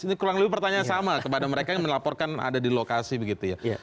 ini kurang lebih pertanyaan sama kepada mereka yang melaporkan ada di lokasi begitu ya